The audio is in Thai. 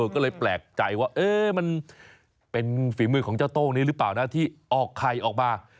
ก็เลยแปลกใจว่ามันเป็นฝีมือของเจ้าโต้งนี้หรือเปล่านะที่ออกไข่ออกมา